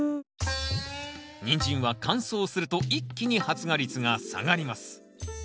ニンジンは乾燥すると一気に発芽率が下がります。